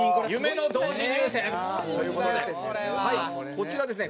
こちらですね